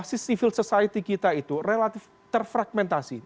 jadi kita basis civil society kita itu relatif terfragmentasi